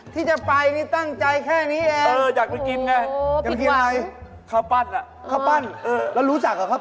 ตั้งใจจะมันกินข้าวปุ้นอะไรน่ะ